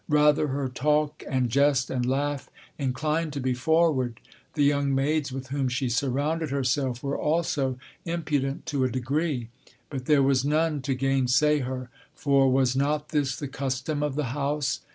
Rather, her talk and jest and laugh inclined to be forward. The young maids with whom she surrounded herself were also impudent to a degree. But there was none to gainsay her for was not this the custom of the house?